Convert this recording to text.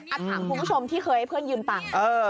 ถามคุณผู้ชมที่เคยให้เพื่อนยืมตังค์